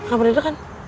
gak pernah deg degan